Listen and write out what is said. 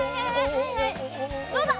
どうだ？